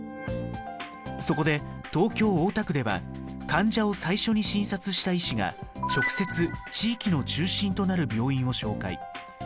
そこで東京・大田区では患者を最初に診察した医師が直接地域の中心となる病院を紹介。